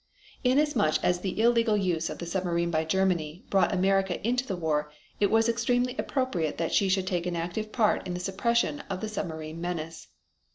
Inasmuch as the illegal use of the submarine by Germany brought America into the war it was extremely appropriate that she should take an active part in the suppression of the submarine menace.